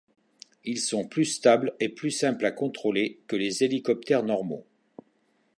Ils sont plus stables et plus simples à contrôler que les hélicoptères normaux.